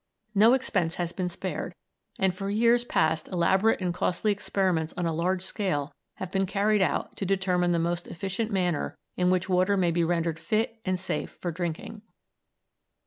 No expense has been spared, and for years past elaborate and costly experiments on a large scale have been carried out to determine the most efficient manner in which water may be rendered fit and safe for drinking.